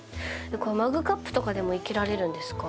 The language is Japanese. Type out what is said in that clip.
マグカップとかでも生けられるんですか？